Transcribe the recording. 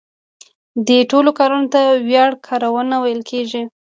دې ټولو کارونو ته وړیا کارونه ویل کیده.